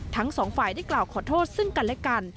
ทั้งสองฝ่ายได้กล่าวขอโทษซึ่งกันและกัน